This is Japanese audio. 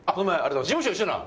事務所一緒なん？